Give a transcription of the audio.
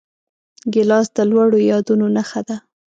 ګیلاس د لوړو یادونو نښه ده.